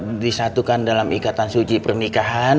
kemudian disatukan dalam ikatan suci pernikahan